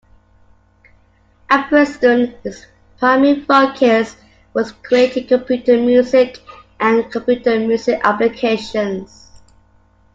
At Princeton, his primary focus was creating computer music and computer music applications.